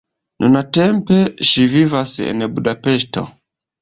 Nuntempe ŝi vivas en Budapeŝto.